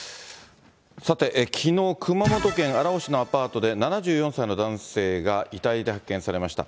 さて、きのう、熊本県荒尾市のアパートで、７４歳の男性が遺体で発見されました。